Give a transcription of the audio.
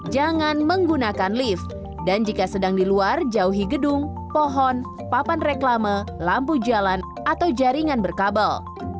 jangan menggunakan lift dan jika sedang di luar jauhi gedung pohon papan reklame lampu jalan atau jaringan berkabel